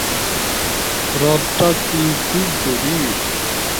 হ্রদটা কি খুব গভীর?